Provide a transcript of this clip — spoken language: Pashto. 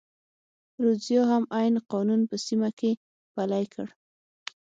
رودزیا هم عین قانون په سیمه کې پلی کړ.